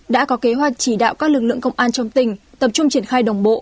đã có kế hoạch chỉ đạo các lực lượng công an trong tỉnh tập trung triển khai đồng bộ